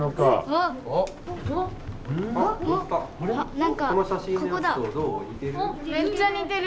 何かここだ。